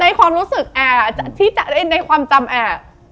ในความรู้สึกแอในความจำแอ